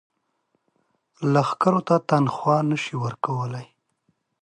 لښکرو ته تنخوا نه شي ورکولای.